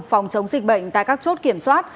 phòng chống dịch bệnh tại các chốt kiểm soát